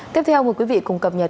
tiếp theo mời quý vị cùng cập nhật